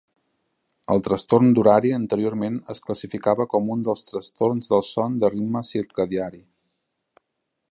El trastorn d'horari anteriorment es classificava com un dels trastorns del son de ritme circadiari.